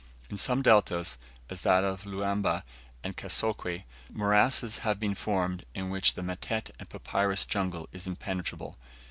In some deltas, as that of Luaba and Kasokwe, morasses have been formed, in which the matete and papyrus jungle is impenetrable.